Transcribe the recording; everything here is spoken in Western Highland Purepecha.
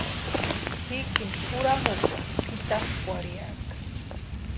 Jikini juramukwarhu pʼitakwʼarhiaka.